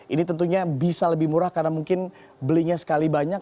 ini tentunya bisa lebih murah karena mungkin belinya sekali banyak